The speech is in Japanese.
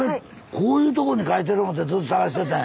こういうとこに書いてる思うてずっと探してたんや。